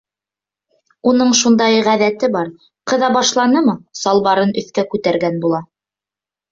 Уның шундай ғәҙәте бар: ҡыҙа башланымы, салбарын өҫкә күтәргән була.